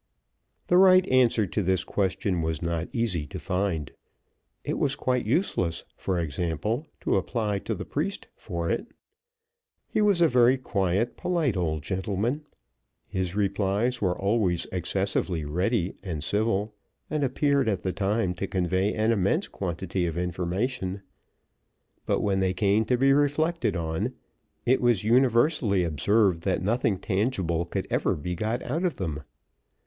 The right answer to this question was not easy to find. It was quite useless, for example, to apply to the priest for it. He was a very quiet, polite old gentleman; his replies were always excessively ready and civil, and appeared at the time to convey an immense quantity of information; but when they came to be reflected on, it was universally observed that nothing tangible could ever be got out of them.